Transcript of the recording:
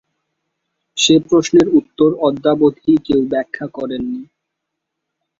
সে প্রশ্নের উত্তর অদ্যাবধি কেউ ব্যাখ্যা করেন নি।